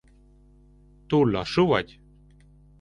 Túl lassú vagy?